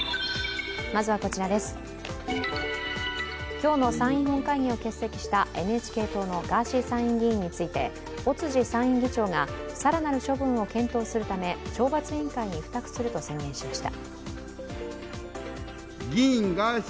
今日の参院本会議を欠席したＮＨＫ党のガーシー参院議員について尾辻参院議長が更なる処分を検討するため懲罰委員会に付託すると宣言しました。